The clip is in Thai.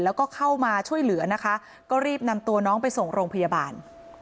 แล้วก็เข้ามาช่วยเหลือนะคะก็รีบนำตัวน้องไปส่งโรงพยาบาล